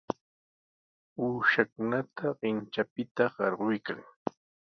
Uushakunata qintranpita qarquykan.